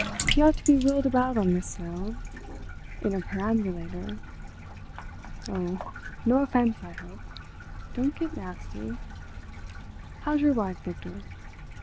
"You ought to be wheeled about on the snow in a perambulator." "Oh, no offence, I hope. Don't get nasty.... How's your wife, Victor?"